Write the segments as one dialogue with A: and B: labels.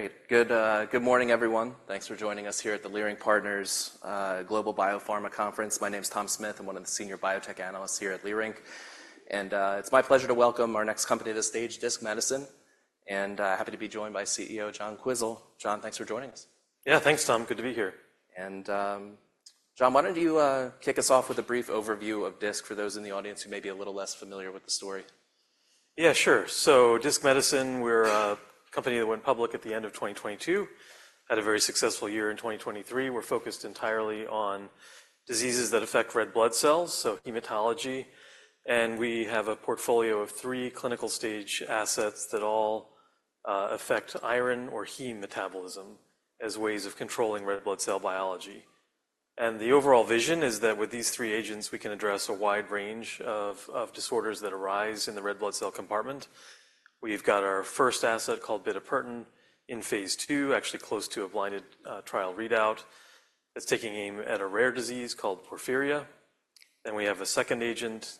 A: All right, great. Good morning, everyone. Thanks for joining us here at the Leerink Partners Global Biopharma Conference. My name is Tom Smith. I'm one of the senior biotech analysts here at Leerink, and it's my pleasure to welcome our next company to stage Disc Medicine, and happy to be joined by CEO John Quisel. John, thanks for joining us.
B: Yeah, thanks, Tom. Good to be here.
A: John, why don't you kick us off with a brief overview of Disc for those in the audience who may be a little less familiar with the story?
B: Yeah, sure. So Disc Medicine, we're a company that went public at the end of 2022, had a very successful year in 2023. We're focused entirely on diseases that affect red blood cells, so hematology, and we have a portfolio of three clinical-stage assets that all affect iron or heme metabolism as ways of controlling red blood cell biology. And the overall vision is that with these three agents, we can address a wide range of disorders that arise in the red blood cell compartment. We've got our first asset called bitopertin in phase II, actually close to a blinded trial readout, that's taking aim at a rare disease called porphyria. We have a second agent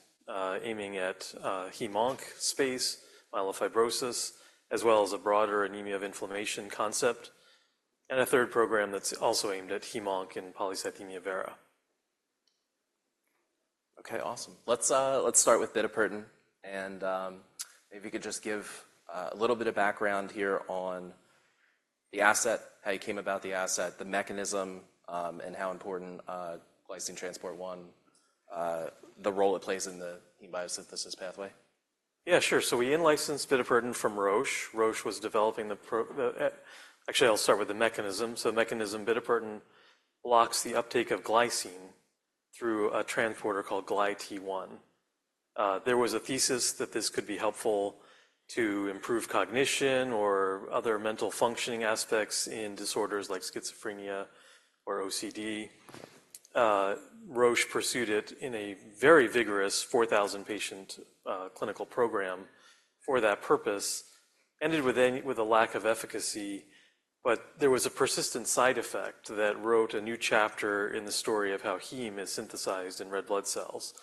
B: aiming at the heme-onc space, myelofibrosis, as well as a broader anemia of inflammation concept, and a third program that's also aimed at heme-onc and polycythemia vera.
A: Okay, awesome. Let's start with bitopertin, and maybe you could just give a little bit of background here on the asset, how you came about the asset, the mechanism, and how important glycine transporter 1, the role it plays in the heme biosynthesis pathway.
B: Yeah, sure. So we in-licensed bitopertin from Roche. Roche was developing. Actually, I'll start with the mechanism. So mechanism, bitopertin blocks the uptake of glycine through a transporter called GlyT1. There was a thesis that this could be helpful to improve cognition or other mental functioning aspects in disorders like schizophrenia or OCD. Roche pursued it in a very vigorous 4,000-patient clinical program for that purpose, ended with a lack of efficacy, but there was a persistent side effect that wrote a new chapter in the story of how heme is synthesized in red blood cells.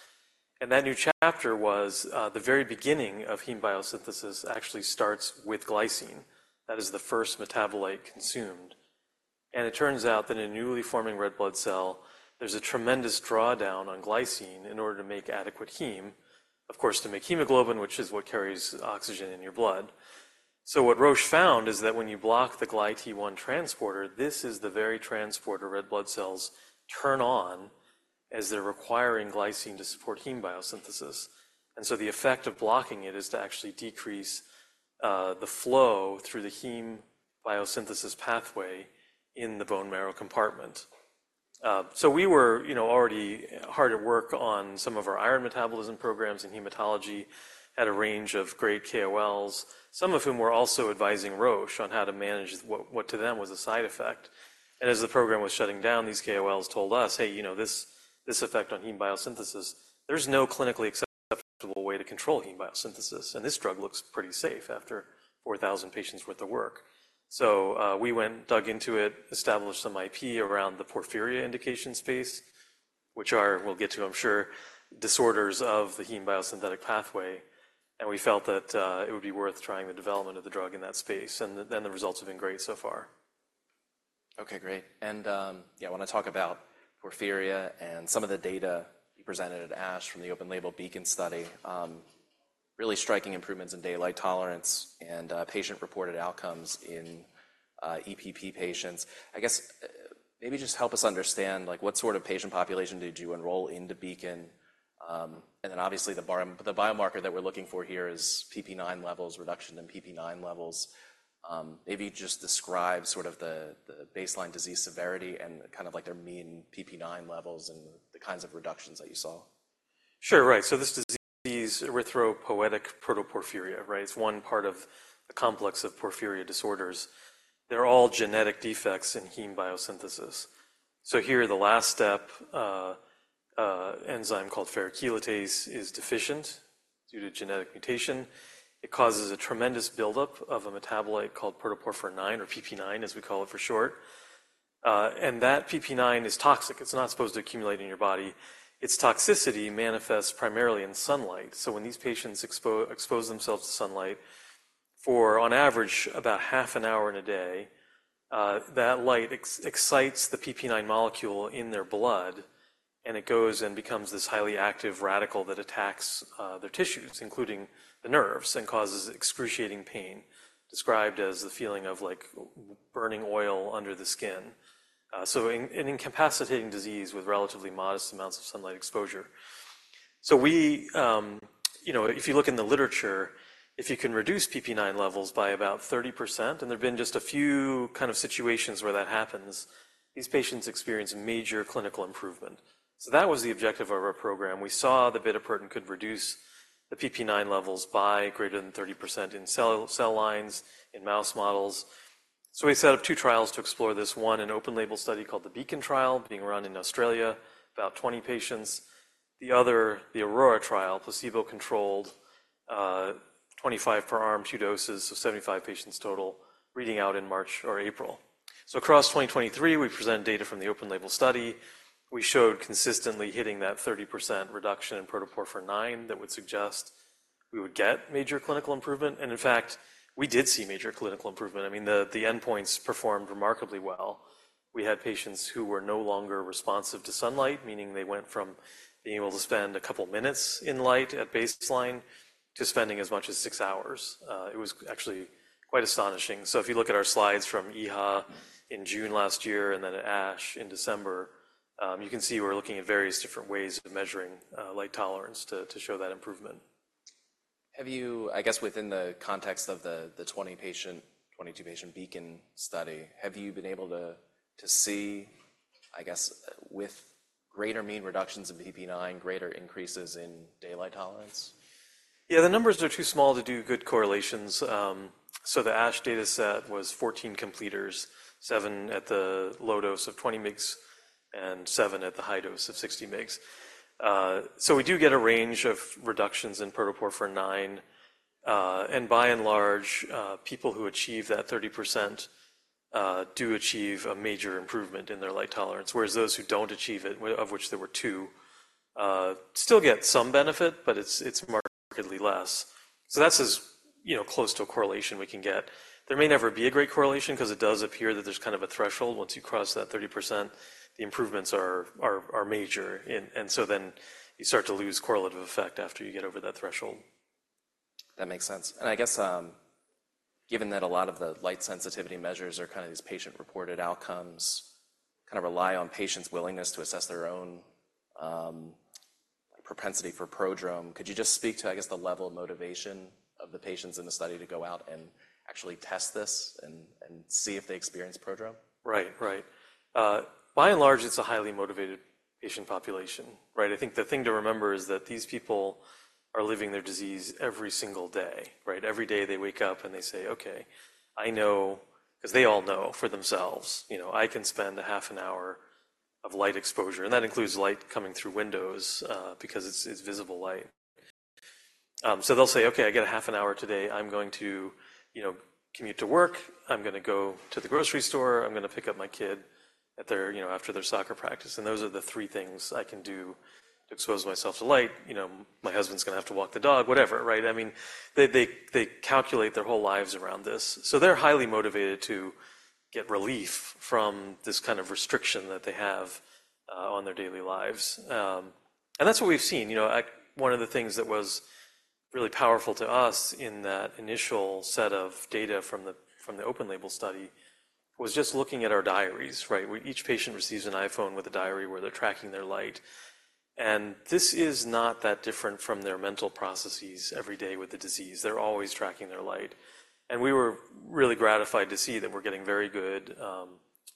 B: And that new chapter was, the very beginning of heme biosynthesis actually starts with glycine. That is the first metabolite consumed. It turns out that in a newly forming red blood cell, there's a tremendous drawdown on glycine in order to make adequate heme, of course, to make hemoglobin, which is what carries oxygen in your blood. What Roche found is that when you block the GlyT1 transporter, this is the very transporter red blood cells turn on as they're requiring glycine to support heme biosynthesis. The effect of blocking it is to actually decrease the flow through the heme biosynthesis pathway in the bone marrow compartment. We were, you know, already hard at work on some of our iron metabolism programs, and hematology had a range of great KOLs, some of whom were also advising Roche on how to manage what to them was a side effect. And as the program was shutting down, these KOLs told us: "Hey, you know, this, this effect on heme biosynthesis, there's no clinically acceptable way to control heme biosynthesis, and this drug looks pretty safe after 4,000 patients worth of work." So, we went, dug into it, established some IP around the porphyria indication space, which are, we'll get to, I'm sure, disorders of the heme biosynthetic pathway. And we felt that, it would be worth trying the development of the drug in that space, and then the results have been great so far.
A: Okay, great. And, yeah, I want to talk about porphyria and some of the data you presented at ASH from the open-label BEACON study, really striking improvements in daylight tolerance and, patient-reported outcomes in, EPP patients. I guess, maybe just help us understand, like, what sort of patient population did you enroll in the BEACON? And then obviously, the biomarker that we're looking for here is PPIX levels, reduction in PPIX levels. Maybe just describe sort of the baseline disease severity and kind of like their mean PPIX levels and the kinds of reductions that you saw.
B: Sure, right. So this disease, erythropoietic protoporphyria, right? It's one part of the complex of porphyria disorders. They're all genetic defects in heme biosynthesis. So here, the last step, a enzyme called ferrochelatase, is deficient due to genetic mutation. It causes a tremendous buildup of a metabolite called protoporphyrin IX, or PPIX, as we call it for short. And that PPIX is toxic. It's not supposed to accumulate in your body. Its toxicity manifests primarily in sunlight. So when these patients expose themselves to sunlight for, on average, about half an hour in a day, that light excites the PPIX molecule in their blood, and it goes and becomes this highly active radical that attacks their tissues, including the nerves, and causes excruciating pain, described as the feeling of like burning oil under the skin. So an incapacitating disease with relatively modest amounts of sunlight exposure. So we, you know, if you look in the literature, if you can reduce PPIX levels by about 30%, and there have been just a few kind of situations where that happens, these patients experience major clinical improvement. So that was the objective of our program. We saw the bitopertin could reduce the PPIX levels by greater than 30% in cell lines, in mouse models. So we set up two trials to explore this, one, an open-label study called the BEACON trial, being run in Australia, about 20 patients. The other, the AURORA trial, placebo-controlled, 25 per arm, 2 doses, so 75 patients total, reading out in March or April. So across 2023, we present data from the open label study. We showed consistently hitting that 30% reduction in protoporphyrin IX that would suggest we would get major clinical improvement, and in fact, we did see major clinical improvement. I mean, the endpoints performed remarkably well. We had patients who were no longer responsive to sunlight, meaning they went from being able to spend a couple of minutes in light at baseline to spending as much as six hours. It was actually quite astonishing. So if you look at our slides from EHA in June last year and then at ASH in December, you can see we're looking at various different ways of measuring light tolerance to show that improvement.
A: Have you, I guess, within the context of the 20-patient, 22-patient BEACON study, have you been able to see, I guess, with greater mean reductions in PPIX, greater increases in daylight tolerance?
B: Yeah, the numbers are too small to do good correlations. So the ASH data set was 14 completers, seven at the low dose of 20 mg, and seven at the high dose of 60 mg. So we do get a range of reductions in protoporphyrin IX, and by and large, people who achieve that 30%, do achieve a major improvement in their light tolerance, whereas those who don't achieve it, of which there were two, still get some benefit, but it's, it's markedly less. So that's as, you know, close to a correlation we can get. There may never be a great correlation 'cause it does appear that there's kind of a threshold. Once you cross that 30%, the improvements are, are, are major, and, and so then you start to lose correlative effect after you get over that threshold.
A: That makes sense. And I guess, given that a lot of the light sensitivity measures are kind of these patient-reported outcomes, kind of rely on patients' willingness to assess their own, propensity for prodrome. Could you just speak to, I guess, the level of motivation of the patients in the study to go out and actually test this and, and see if they experience prodrome?
B: Right. Right. By and large, it's a highly motivated patient population, right? I think the thing to remember is that these people are living their disease every single day, right? Every day, they wake up, and they say, "Okay, I know..." 'cause they all know for themselves, you know, I can spend a half an hour of light exposure, and that includes light coming through windows, because it's, it's visible light. So they'll say, "Okay, I get a half an hour today. I'm going to, you know, commute to work, I'm gonna go to the grocery store, I'm gonna pick up my kid at their, you know, after their soccer practice, and those are the three things I can do to expose myself to light. You know, my husband's gonna have to walk the dog," whatever, right? I mean, they calculate their whole lives around this. So they're highly motivated to get relief from this kind of restriction that they have on their daily lives. And that's what we've seen. You know, one of the things that was really powerful to us in that initial set of data from the open label study was just looking at our diaries, right? Where each patient receives an iPhone with a diary where they're tracking their light, and this is not that different from their mental processes every day with the disease. They're always tracking their light. And we were really gratified to see that we're getting very good,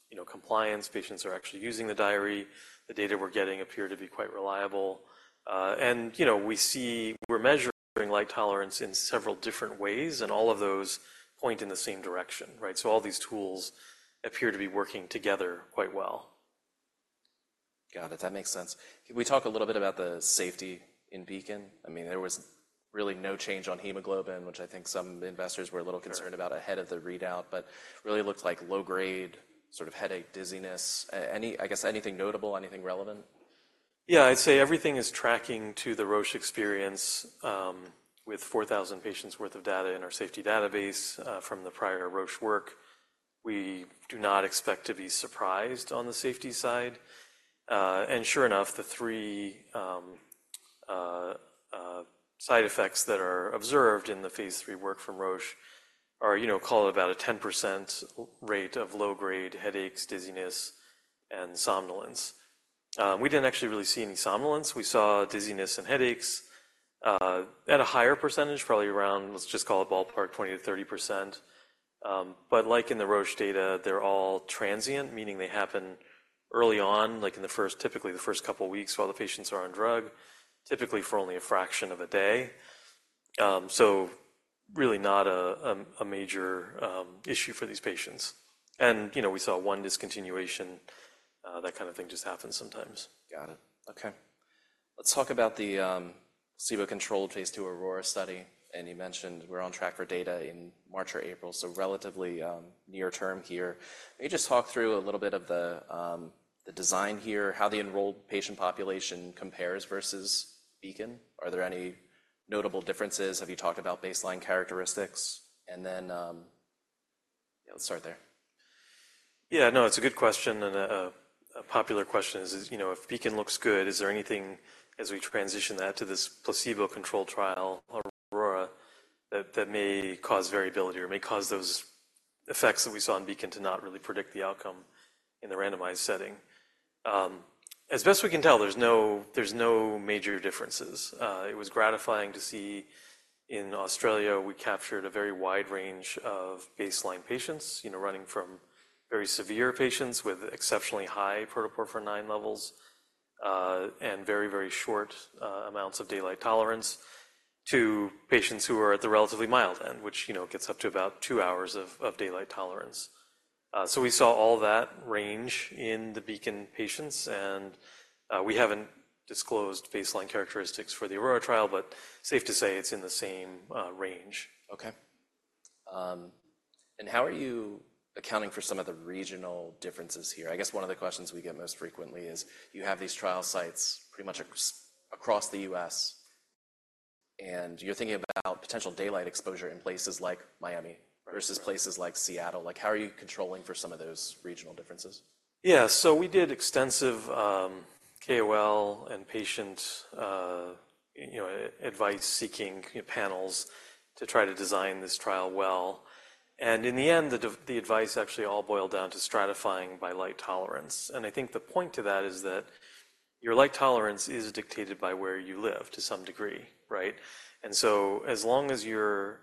B: you know, compliance. Patients are actually using the diary. The data we're getting appear to be quite reliable. And, you know, we see we're measuring light tolerance in several different ways, and all of those point in the same direction, right? So all these tools appear to be working together quite well.
A: Got it. That makes sense. Can we talk a little bit about the safety in BEACON? I mean, there was really no change on hemoglobin, which I think some investors were a little concerned about.
B: Sure.
A: Ahead of the readout, but really looked like low-grade sort of headache, dizziness. Any... I guess anything notable, anything relevant?
B: Yeah, I'd say everything is tracking to the Roche experience, with 4,000 patients worth of data in our safety database, from the prior Roche work. We do not expect to be surprised on the safety side. And sure enough, the three side effects that are observed in the phase III work from Roche are, you know, call it about a 10% rate of low-grade headaches, dizziness, and somnolence. We didn't actually really see any somnolence. We saw dizziness and headaches, at a higher percentage, probably around, let's just call it ballpark, 20%-30%. But like in the Roche data, they're all transient, meaning they happen early on, like in the first couple of weeks while the patients are on drug, typically for only a fraction of a day. So really not a major issue for these patients. You know, we saw one discontinuation. That kind of thing just happens sometimes.
A: Got it. Okay. Let's talk about the placebo-controlled phase II AURORA study, and you mentioned we're on track for data in March or April, so relatively near term here. Can you just talk through a little bit of the design here, how the enrolled patient population compares versus BEACON? Are there any notable differences? Have you talked about baseline characteristics? And then, yeah, let's start there.
B: Yeah, no, it's a good question, and a popular question is, you know, if BEACON looks good, is there anything as we transition that to this placebo-controlled trial, AURORA, that may cause variability or may cause those effects that we saw in BEACON to not really predict the outcome in the randomized setting? As best we can tell, there's no, there's no major differences. It was gratifying to see, in Australia, we captured a very wide range of baseline patients, you know, running from very severe patients with exceptionally high protoporphyrin IX levels, and very, very short amounts of daylight tolerance, to patients who are at the relatively mild end, which, you know, gets up to about two hours of daylight tolerance. So we saw all that range in the BEACON patients, and we haven't disclosed baseline characteristics for the AURORA trial, but safe to say it's in the same range.
A: Okay, and how are you accounting for some of the regional differences here? I guess one of the questions we get most frequently is, you have these trial sites pretty much across the U.S., and you're thinking about potential daylight exposure in places like Miami versus places like Seattle. Like, how are you controlling for some of those regional differences?
B: Yeah, so we did extensive KOL and patient, you know, advice-seeking panels to try to design this trial well. And in the end, the advice actually all boiled down to stratifying by light tolerance. And I think the point to that is that your light tolerance is dictated by where you live, to some degree, right? And so, as long as you're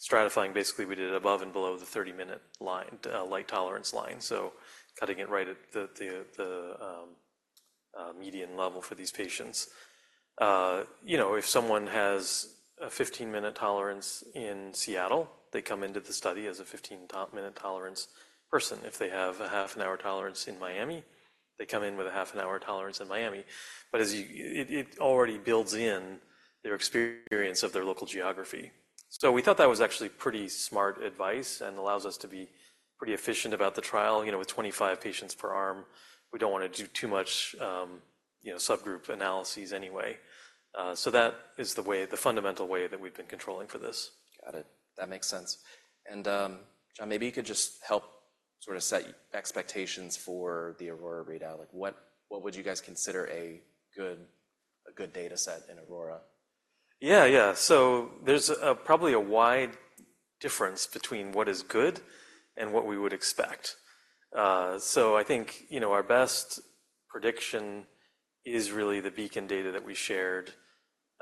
B: stratifying, basically, we did it above and below the 30-minute light tolerance line, so cutting it right at the median level for these patients. You know, if someone has a 15-minute tolerance in Seattle, they come into the study as a 15-minute tolerance person. If they have a half an hour tolerance in Miami, they come in with a half an hour tolerance in Miami. But as you... It already builds in their experience of their local geography. So we thought that was actually pretty smart advice and allows us to be pretty efficient about the trial. You know, with 25 patients per arm, we don't want to do too much, you know, subgroup analyses anyway. So that is the way, the fundamental way that we've been controlling for this.
A: Got it. That makes sense. John, maybe you could just help sort of set expectations for the AURORA readout. Like, what would you guys consider a good data set in AURORA?
B: Yeah, yeah. So there's probably a wide difference between what is good and what we would expect. So I think, you know, our best prediction is really the BEACON data that we shared.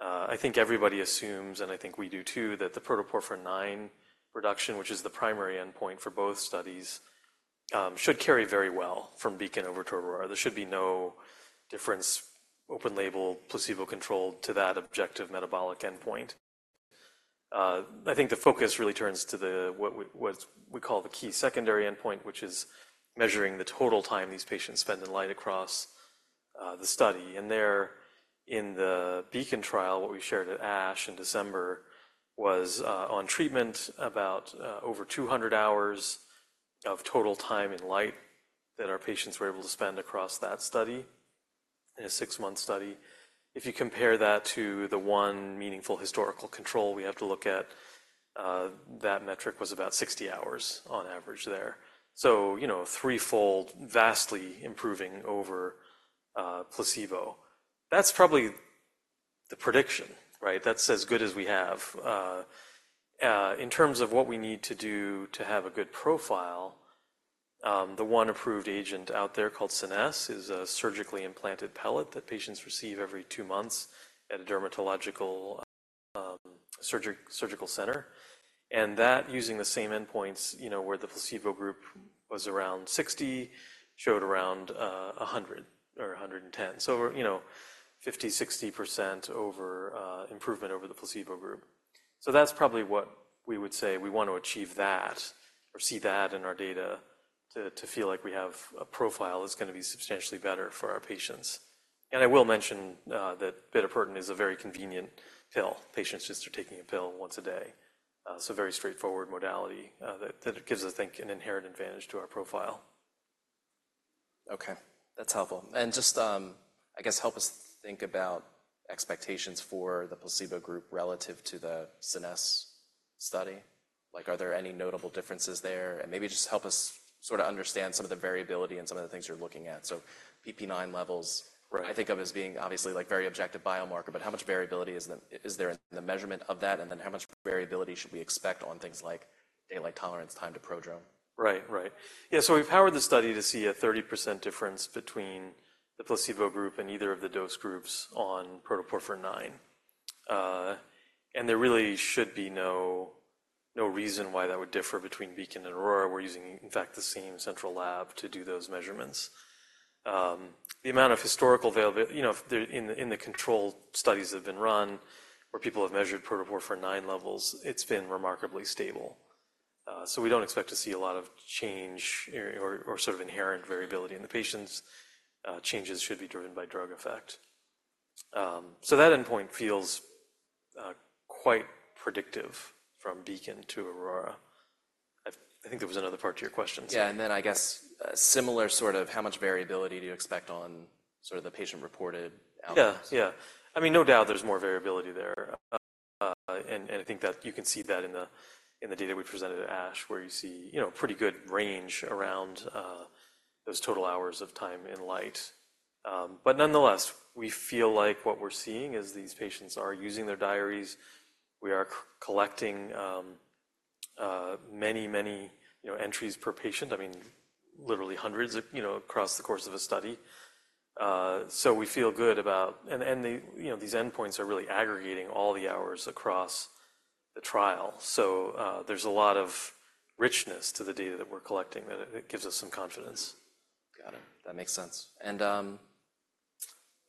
B: I think everybody assumes, and I think we do, too, that the protoporphyrin IX reduction, which is the primary endpoint for both studies, should carry very well from BEACON over to AURORA. There should be no difference, open label, placebo-controlled, to that objective metabolic endpoint. I think the focus really turns to the, what we call the key secondary endpoint, which is measuring the total time these patients spend in light across, the study. There in the BEACON trial, what we shared at ASH in December was, on treatment about over 200 hours of total time and light that our patients were able to spend across that study in a six-month study. If you compare that to the one meaningful historical control we have to look at, that metric was about 60 hours on average there. So, you know, threefold, vastly improving over placebo. That's probably the prediction, right? That's as good as we have. In terms of what we need to do to have a good profile, the one approved agent out there called Scenesse is a surgically implanted pellet that patients receive every two months at a dermatological surgical center. That, using the same endpoints, you know, where the placebo group was around 60, showed around 100 or 110. So, you know, 50%-60% over improvement over the placebo group. So that's probably what we would say. We want to achieve that or see that in our data to feel like we have a profile that's gonna be substantially better for our patients. And I will mention that bitopertin is a very convenient pill. Patients just are taking a pill once a day. So very straightforward modality that gives, I think, an inherent advantage to our profile.
A: Okay, that's helpful. And just, I guess, help us think about expectations for the placebo group relative to the Scenesse study. Like, are there any notable differences there? And maybe just help us sort of understand some of the variability and some of the things you're looking at. So PPIX levels-
B: Right.
A: I think of as being obviously, like, very objective biomarker, but how much variability is there in the measurement of that, and then how much variability should we expect on things like daylight tolerance, time to prodrome?
B: Right, right. Yeah, so we've powered the study to see a 30% difference between the placebo group and either of the dose groups on protoporphyrin IX. There really should be no, no reason why that would differ between BEACON and AURORA. We're using, in fact, the same central lab to do those measurements. You know, in the control studies that have been run, where people have measured protoporphyrin IX levels, it's been remarkably stable. So we don't expect to see a lot of change or, or sort of inherent variability in the patients. Changes should be driven by drug effect. So that endpoint feels quite predictive from BEACON to AURORA. I think there was another part to your question.
A: Yeah, and then I guess, similar sort of how much variability do you expect on sort of the patient-reported outcomes?
B: Yeah, yeah. I mean, no doubt there's more variability there. And I think that you can see that in the data we presented at ASH, where you see, you know, pretty good range around those total hours of time in light. But nonetheless, we feel like what we're seeing is these patients are using their diaries. We are collecting many, many, you know, entries per patient, I mean, literally hundreds, you know, across the course of a study. So we feel good about... And the, you know, these endpoints are really aggregating all the hours across the trial. So there's a lot of richness to the data that we're collecting, that it gives us some confidence.
A: Got it. That makes sense. And,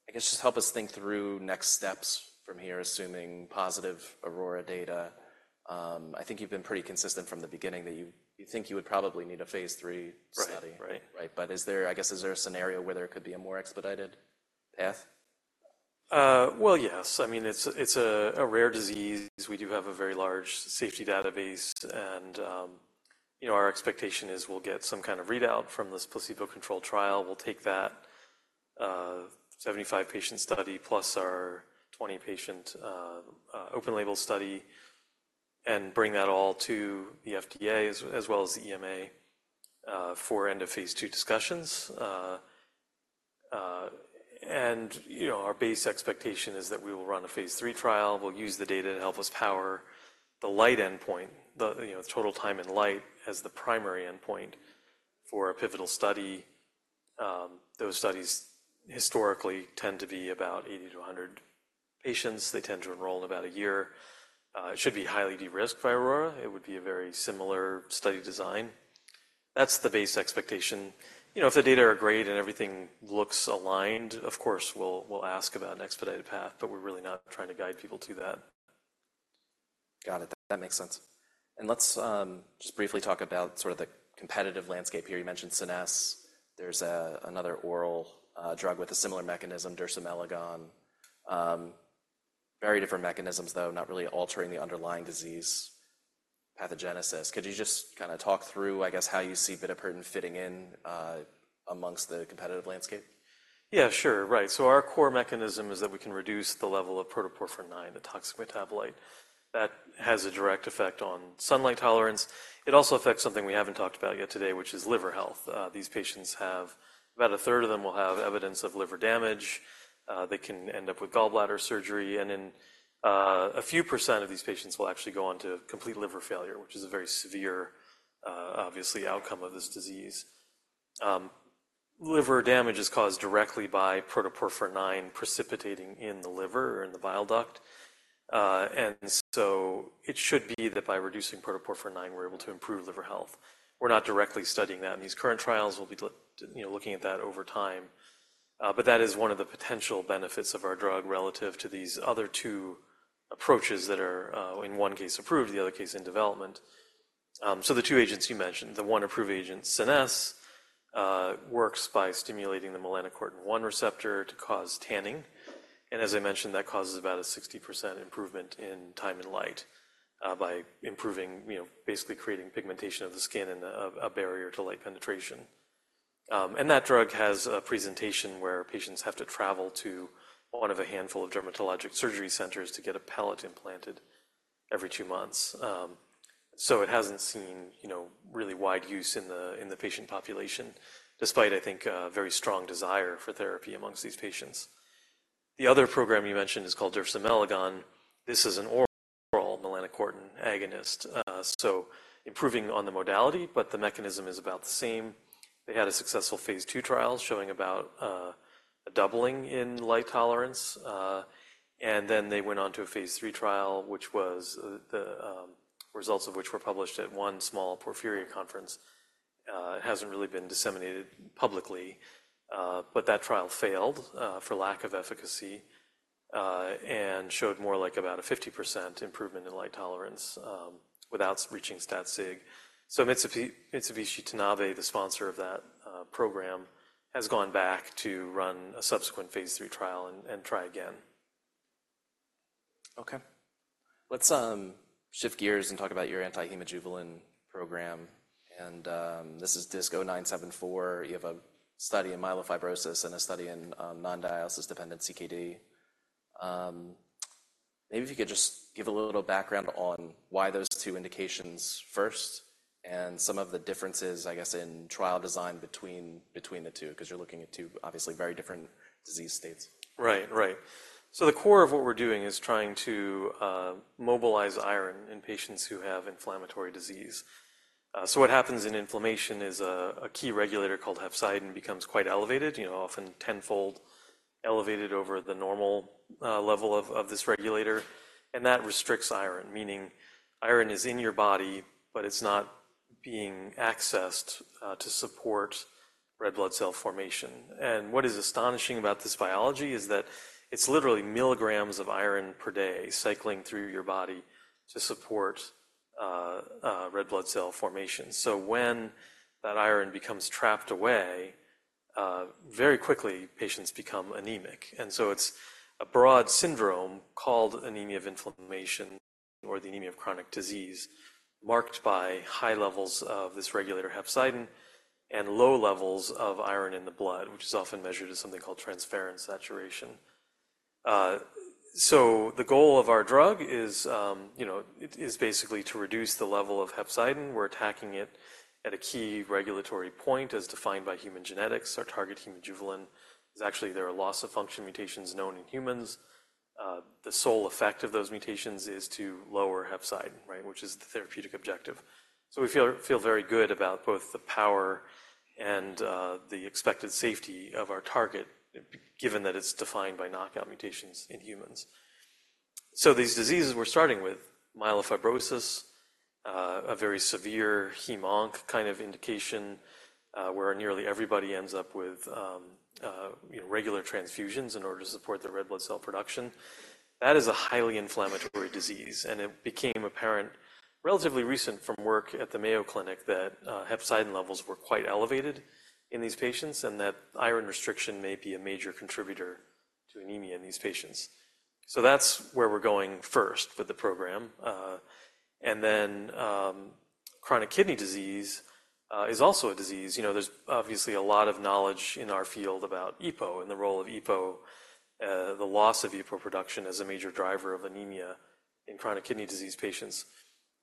A: I guess just help us think through next steps from here, assuming positive AURORA data. I think you've been pretty consistent from the beginning that you think you would probably need a phase III study.
B: Right, right.
A: Right. But is there, I guess, is there a scenario where there could be a more expedited path?...
B: Well, yes. I mean, it's a rare disease. We do have a very large safety database, and you know, our expectation is we'll get some kind of readout from this placebo-controlled trial. We'll take that 75-patient study plus our 20-patient open-label study and bring that all to the FDA as well as the EMA for end of phase II discussions. And you know, our base expectation is that we will run a phase III trial. We'll use the data to help us power the light endpoint, the total time and light as the primary endpoint for a pivotal study. Those studies historically tend to be about 80-100 patients. They tend to enroll in about a year. It should be highly de-risked by AURORA. It would be a very similar study design. That's the base expectation. You know, if the data are great and everything looks aligned, of course, we'll ask about an expedited path, but we're really not trying to guide people to that.
A: Got it. That makes sense. Let's just briefly talk about sort of the competitive landscape here. You mentioned Scenesse. There's another oral drug with a similar mechanism, dersimelagon. Very different mechanisms, though, not really altering the underlying disease pathogenesis. Could you just kinda talk through, I guess, how you see bitopertin fitting in amongst the competitive landscape?
B: Yeah, sure. Right. So our core mechanism is that we can reduce the level of protoporphyrin IX, a toxic metabolite, that has a direct effect on sunlight tolerance. It also affects something we haven't talked about yet today, which is liver health. These patients have about a third of them will have evidence of liver damage. They can end up with gallbladder surgery, and then, a few percent of these patients will actually go on to complete liver failure, which is a very severe, obviously, outcome of this disease. Liver damage is caused directly by protoporphyrin IX precipitating in the liver or in the bile duct. And so it should be that by reducing protoporphyrin IX, we're able to improve liver health. We're not directly studying that in these current trials. We'll be, you know, looking at that over time, but that is one of the potential benefits of our drug relative to these other two approaches that are in one case, approved, the other case in development. So the two agents you mentioned, the one approved agent, Scenesse, works by stimulating the melanocortin-1 receptor to cause tanning, and as I mentioned, that causes about a 60% improvement in time and light by improving, you know, basically creating pigmentation of the skin and a barrier to light penetration. And that drug has a presentation where patients have to travel to one of a handful of dermatologic surgery centers to get a pellet implanted every two months. So it hasn't seen, you know, really wide use in the, in the patient population, despite, I think, a very strong desire for therapy amongst these patients. The other program you mentioned is called dersimelagon. This is an oral melanocortin agonist, so improving on the modality, but the mechanism is about the same. They had a successful phase II trial showing about a doubling in light tolerance, and then they went on to a phase III trial, results of which were published at one small porphyria conference. It hasn't really been disseminated publicly, but that trial failed for lack of efficacy, and showed more like about a 50% improvement in light tolerance, without reaching stat sig. So Mitsubishi Tanabe, the sponsor of that program, has gone back to run a subsequent phase III trial and try again.
A: Okay. Let's shift gears and talk about your anti-hemojuvelin program, and this is DISC-0974. You have a study in myelofibrosis and a study in non-dialysis dependent CKD. Maybe if you could just give a little background on why those two indications first, and some of the differences, I guess, in trial design between the two, 'cause you're looking at two obviously very different disease states.
B: Right. Right. So the core of what we're doing is trying to mobilize iron in patients who have inflammatory disease. So what happens in inflammation is a key regulator called hepcidin becomes quite elevated, you know, often tenfold elevated over the normal level of this regulator, and that restricts iron, meaning iron is in your body, but it's not being accessed to support red blood cell formation. And what is astonishing about this biology is that it's literally milligrams of iron per day cycling through your body to support red blood cell formation. So when that iron becomes trapped away, very quickly, patients become anemic. And so it's a broad syndrome called anemia of inflammation or the anemia of chronic disease, marked by high levels of this regulator, hepcidin, and low levels of iron in the blood, which is often measured as something called transferrin saturation. So the goal of our drug is, you know, it is basically to reduce the level of hepcidin. We're attacking it at a key regulatory point as defined by human genetics. Our target, hemojuvelin, is actually there are loss-of-function mutations known in humans. The sole effect of those mutations is to lower hepcidin, right, which is the therapeutic objective. So we feel very good about both the power and the expected safety of our target, given that it's defined by knockout mutations in humans. So these diseases, we're starting with myelofibrosis, a very severe heme-onc kind of indication, where nearly everybody ends up with, you know, regular transfusions in order to support the red blood cell production. That is a highly inflammatory disease, and it became apparent relatively recent from work at the Mayo Clinic that, hepcidin levels were quite elevated in these patients, and that iron restriction may be a major contributor to anemia in these patients. So that's where we're going first with the program. And then, chronic kidney disease, is also a disease. You know, there's obviously a lot of knowledge in our field about EPO and the role of EPO, the loss of EPO production as a major driver of anemia in chronic kidney disease patients.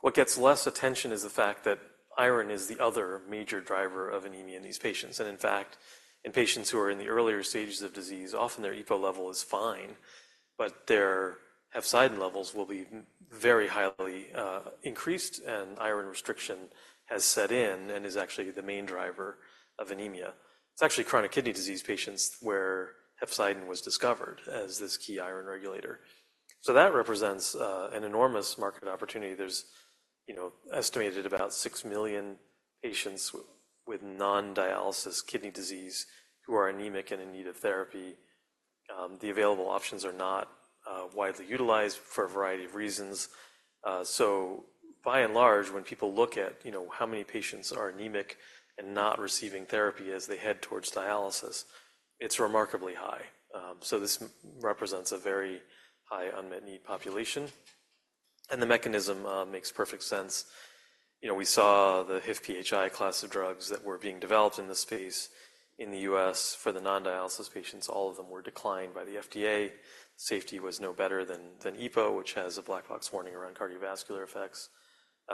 B: What gets less attention is the fact that iron is the other major driver of anemia in these patients, and in fact, in patients who are in the earlier stages of disease, often their EPO level is fine, but their hepcidin levels will be very highly increased, and iron restriction has set in and is actually the main driver of anemia. It's actually chronic kidney disease patients where hepcidin was discovered as this key iron regulator. So that represents an enormous market opportunity. There's, you know, estimated about 6 million patients with non-dialysis kidney disease who are anemic and in need of therapy. The available options are not widely utilized for a variety of reasons. So by and large, when people look at, you know, how many patients are anemic and not receiving therapy as they head towards dialysis, it's remarkably high. So this represents a very high unmet need population, and the mechanism makes perfect sense. You know, we saw the HIF-PHI class of drugs that were being developed in this space in the U.S. for the non-dialysis patients, all of them were declined by the FDA. Safety was no better than EPO, which has a black box warning around cardiovascular effects.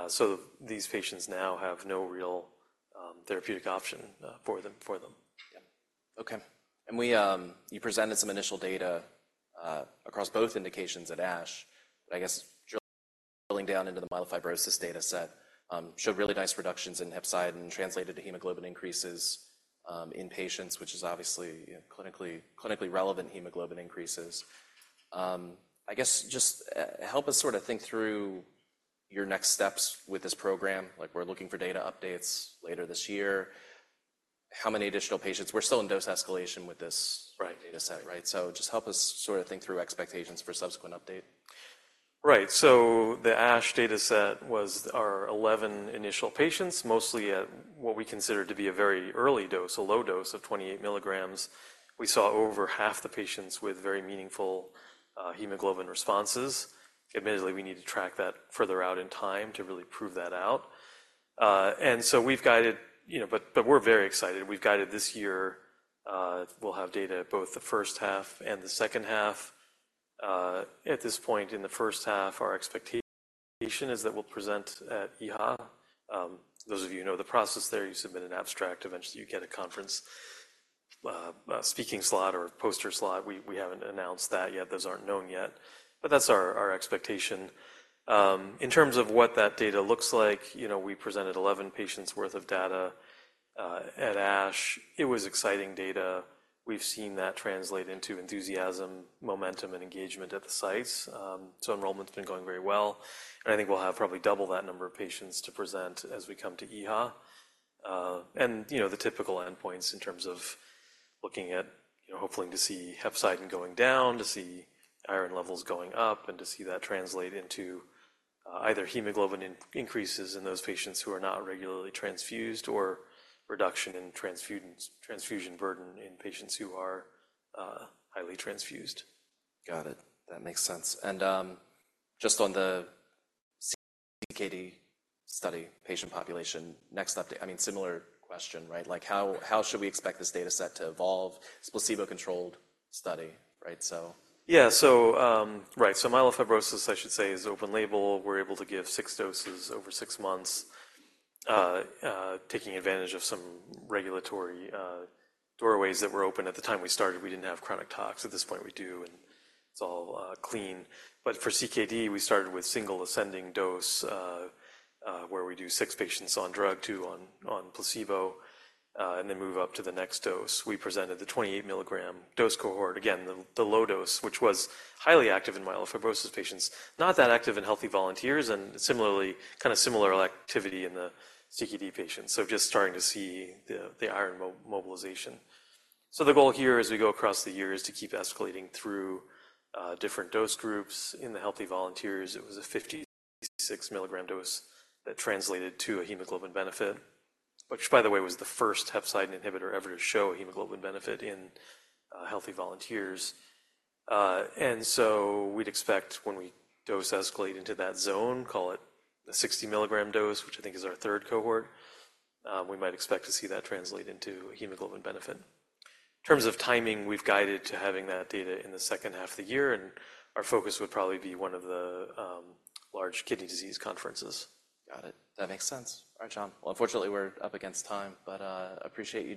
B: So these patients now have no real therapeutic option for them.
A: Yeah. Okay. You presented some initial data across both indications at ASH, but I guess drilling down into the myelofibrosis data set showed really nice reductions in hepcidin and translated to hemoglobin increases in patients, which is obviously, you know, clinically, clinically relevant hemoglobin increases. I guess just help us sort of think through your next steps with this program. Like, we're looking for data updates later this year. How many additional patients? We're still in dose escalation with this-
B: Right.
A: data set, right? So just help us sort of think through expectations for subsequent update.
B: Right. So the ASH data set was our 11 initial patients, mostly at what we consider to be a very early dose, a low dose of 28 mg. We saw over half the patients with very meaningful hemoglobin responses. Admittedly, we need to track that further out in time to really prove that out. And so we've guided, you know, but, but we're very excited. We've guided this year, we'll have data at both the first half and the second half. At this point in the first half, our expectation is that we'll present at EHA. Those of you who know the process there, you submit an abstract, eventually, you get a conference speaking slot or poster slot. We haven't announced that yet. Those aren't known yet, but that's our expectation. In terms of what that data looks like, you know, we presented 11 patients worth of data at ASH. It was exciting data. We've seen that translate into enthusiasm, momentum, and engagement at the sites. So enrollment's been going very well, and I think we'll have probably double that number of patients to present as we come to EHA. And, you know, the typical endpoints in terms of looking at, you know, hopefully to see hepcidin going down, to see iron levels going up, and to see that translate into either hemoglobin increases in those patients who are not regularly transfused or reduction in transfusions, transfusion burden in patients who are highly transfused.
A: Got it. That makes sense. And, just on the CKD study, patient population, next update—I mean, similar question, right? Like, how should we expect this data set to evolve? It's a placebo-controlled study, right? So...
B: Yeah. So, right. So myelofibrosis, I should say, is open label. We're able to give six doses over six months, taking advantage of some regulatory doorways that were open at the time we started. We didn't have chronic tox. At this point, we do, and it's all clean. But for CKD, we started with single ascending dose, where we do six patients on drug, two on placebo, and then move up to the next dose. We presented the 28 mg dose cohort, again, the low dose, which was highly active in myelofibrosis patients, not that active in healthy volunteers, and similarly, kinda similar activity in the CKD patients. So just starting to see the iron mobilization. So the goal here as we go across the year is to keep escalating through different dose groups. In the healthy volunteers, it was a 56 mg dose that translated to a hemoglobin benefit, which, by the way, was the first hepcidin inhibitor ever to show hemoglobin benefit in healthy volunteers. And so we'd expect when we dose escalate into that zone, call it the 60 mg dose, which I think is our third cohort, we might expect to see that translate into a hemoglobin benefit. In terms of timing, we've guided to having that data in the second half of the year, and our focus would probably be one of the large kidney disease conferences.
A: Got it. That makes sense. All right, John. Well, unfortunately, we're up against time, but, appreciate you joining-